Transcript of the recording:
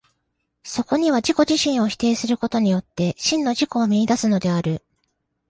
そこには自己自身を否定することによって、真の自己を見出すのである。